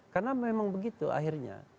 karena memang begitu akhirnya